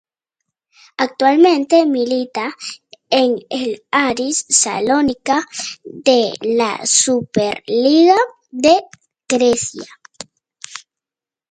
Actualmente milita en el Aris Salónica de la Superliga de Grecia.